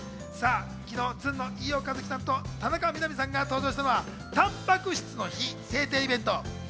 昨日、ずんの飯尾和樹さんと田中みな実さんが登場したのはたんぱく質の日制定イベント。